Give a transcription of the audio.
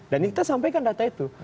dan kita sampaikan data itu